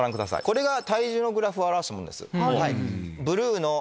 これが体重のグラフを表したものです。